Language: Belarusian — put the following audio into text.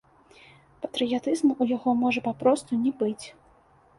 Патрыятызму ў яго можа папросту не быць!